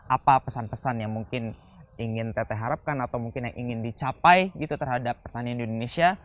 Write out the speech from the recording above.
apa pesan pesan yang mungkin ingin tete harapkan atau mungkin yang ingin dicapai gitu terhadap pertanian di indonesia